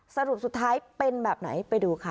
สรุปสุดท้ายเป็นแบบไหนไปดูค่ะ